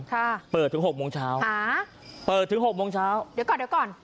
ค่ะเปิดถึงหกโมงเช้าค่ะเปิดถึงหกโมงเช้าเดี๋ยวก่อนเดี๋ยวก่อน